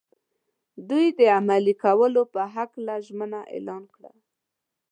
دوی د عملي کولو په هکله ژمنه اعلان کړه.